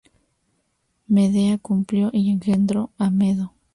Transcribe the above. Medea cumplió y engendró a Medo.